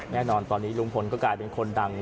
แน่นอนตอนนี้ลุงพลก็กลายเป็นคนดัง